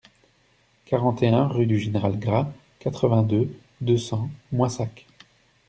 quarante et un rue du Général Gras, quatre-vingt-deux, deux cents, Moissac